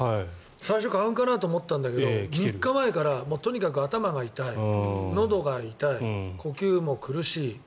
最初、花粉かなと思ったんだけど３日前から、とにかく頭が痛いのどが痛い呼吸も苦しい。